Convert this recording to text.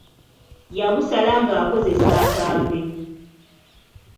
Yagusala ng'akozesa akambe.